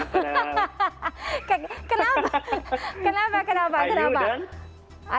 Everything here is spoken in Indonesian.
hahaha kenapa kenapa kenapa